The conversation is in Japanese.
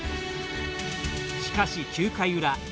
しかし、９回裏。